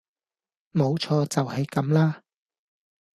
冇錯，就係咁啦